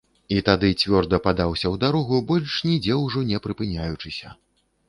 І тады цвёрда падаўся ў дарогу, больш нідзе ўжо не прыпыняючыся.